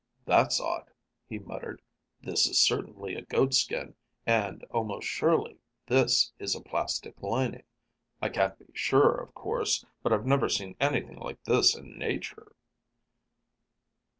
"That's odd," he muttered. "This is certainly a goatskin. And almost surely, this is a plastic lining. I can't be sure, of course, but I've never seen anything like this in nature."